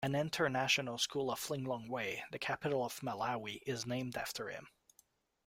An International school in Lilongwe, the capital of Malawi, is named after him.